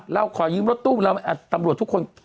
เราขอยืมรถตู้เราตำรวจทุกคน